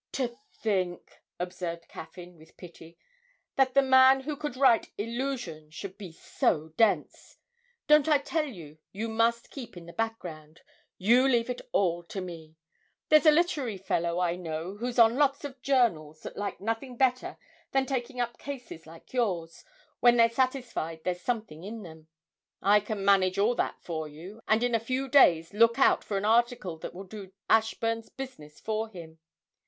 'To think,' observed Caffyn, with pity, 'that the man who could write "Illusion" should be so dense. Don't I tell you you must keep in the background? You leave it all to me. There's a literary fellow I know who's on lots of journals that like nothing better than taking up cases like yours, when they're satisfied there's something in them. I can manage all that for you, and in a few days look out for an article that will do Ashburn's business for him.